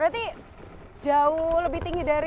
berarti jauh lebih tinggi dari